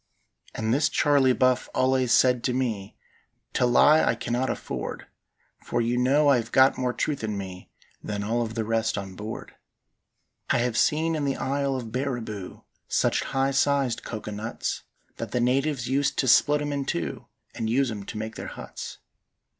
And this Charley Buff allays said to me: "To lie I cannot afford, For you know I hev got more truth in me Than all of the rest on board. "I have seen in the isle of Barriboo Such high sized coco nuts, That the natives used to split 'em in two And use 'em to make their huts.